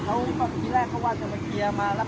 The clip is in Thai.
ตอนนี้กำหนังไปคุยของผู้สาวว่ามีคนละตบ